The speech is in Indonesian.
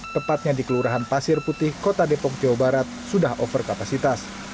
tepatnya di kelurahan pasir putih kota depok jawa barat sudah over kapasitas